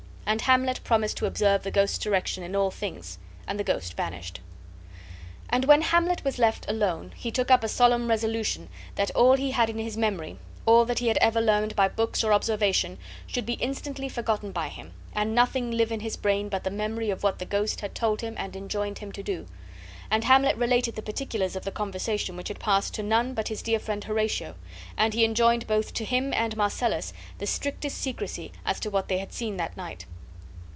And Hamlet promised to observe the ghost's direction in all things, and the ghost vanished. And when Hamlet was left alone he took up a solemn resolution that all he had in his memory, all that he had ever learned by books or observation, should be instantly forgotten by him, and nothing live in his brain but the memory of what the ghost had told him and enjoined him to do. And Hamlet related the particulars of the conversation which had passed to none but his dear friend Horatio; and he enjoined both to him and Marcellus the strictest secrecy as to what they had seen that night.